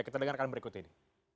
kita dengarkan berikut ini